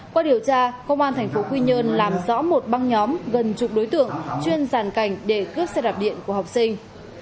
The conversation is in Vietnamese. qua điều tra công an tp quy nhơn làm rõ một băng nhóm gần chục đối tượng chuyên giàn cảnh để cướp xe đạp điện của học sinh